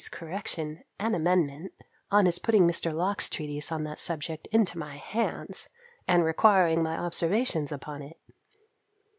's correction and amendment, on his putting Mr. Locke's treatise on that subject into my hands, and requiring my observations upon it.